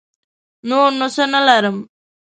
نور نو څه نه لرم.